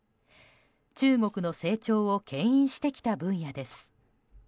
中国の成長を牽引してきた分野です。